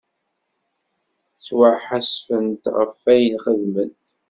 Ttwaḥasfent ɣef ayen xedment.